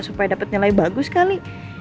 supaya dapet nilai bagus kali